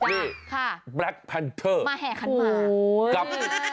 นี่แบล็คแพนเทอร์มาแห่ขันหมากกับ